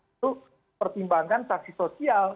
itu pertimbangan saksi sosial